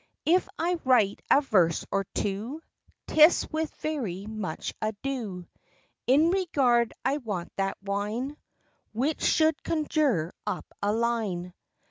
If I write a verse or two, 'Tis with very much ado; In regard I want that wine Which should conjure up a line.